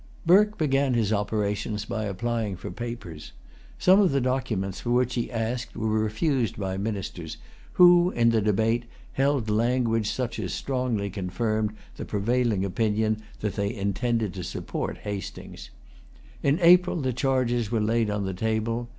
Burke began his operations by applying for Papers. Some of the documents for which he asked were refused by the ministers, who, in the debate, held language such as strongly confirmed the prevailing opinion that they intended to support Hastings. In April the charges were laid on the table.